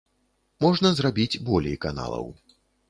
Можна зрабіць болей каналаў.